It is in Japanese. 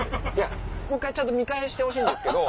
もっかいちゃんと見返してほしいんですけど